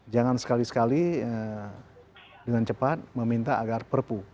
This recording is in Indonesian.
jangan sekali sekali dengan cepat meminta agar perpu